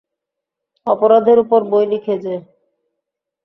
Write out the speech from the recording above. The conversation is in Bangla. অপরাধের ওপর বই লিখে যে?